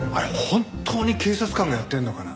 本当に警察官がやってるのかな？